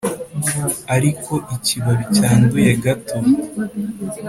ariko ikibabi cyanduye gato: